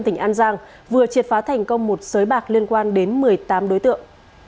tỉnh an giang vừa triệt phá thành công một sới bạc liên quan đến một mươi tám đối tượng